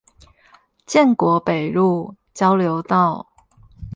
建國北路交流道